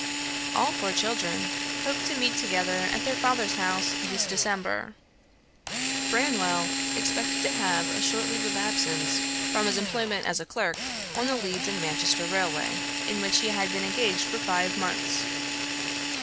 All four children hoped to meet together at their father's house this December. Branwell expected to have a short leave of absence from his employment as a clerk on the Leeds and Manchester Railway, in which he had been engaged for five months.